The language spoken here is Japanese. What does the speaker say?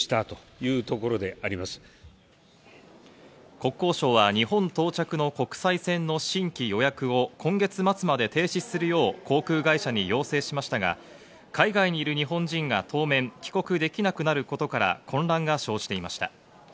国交省は日本到着の国際線の新規予約を今月末まで停止するよう航空会社に要請しましたが、海外にいる日本人が当面帰国できなくなることから混乱が生じていました。